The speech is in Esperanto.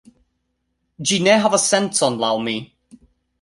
Ĝi ne havas sencon laŭ mi